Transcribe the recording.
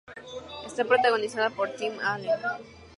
Está protagonizada por Tim Allen.